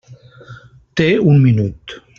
Té un minut.